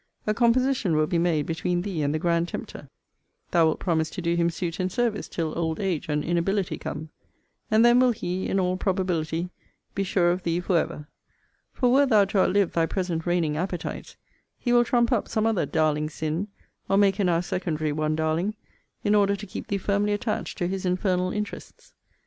A composition will be made between thee and the grand tempter: thou wilt promise to do him suit and service till old age and inability come. And then will he, in all probability, be sure of thee for ever. For, wert thou to outlive thy present reigning appetites, he will trump up some other darling sin, or make a now secondary one darling, in order to keep thee firmly attached to his infernal interests.